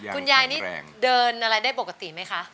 คุณยายนี่เดินอะไรได้ปกติไหมคะ